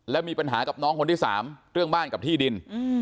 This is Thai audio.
แล้วมีปัญหากับน้องคนที่สามเรื่องบ้านกับที่ดิน